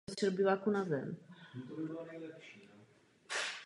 Vezměme si jako příklad boj proti změně klimatu.